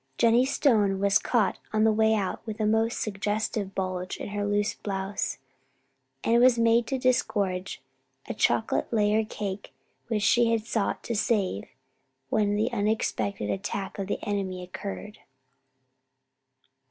Jennie Stone was caught on the way out with a most suggestive bulge in her loose blouse, and was made to disgorge a chocolate layer cake which she had sought to "save" when the unexpected attack of the enemy occurred.